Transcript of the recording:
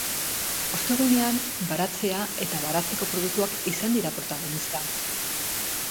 Ostegunean, baratzea eta baratzeko produktuak izan dira protagonista.